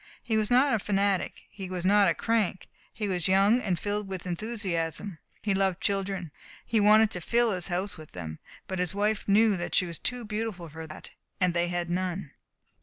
He was not a fanatic. He was not a crank. He was young, and filled with enthusiasm. He loved children. He wanted to fill his home with them. But his wife knew that she was too beautiful for that and they had none."